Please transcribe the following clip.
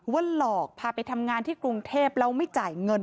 ว่าหลอกพาไปทำงานที่กรุงเทพแล้วไม่จ่ายเงิน